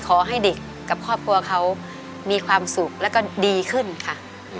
ขอให้เด็กกับครอบครัวเขามีความสุขแล้วก็ดีขึ้นค่ะ